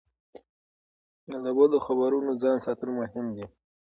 له بدو خبرونو ځان ساتل مهم دي.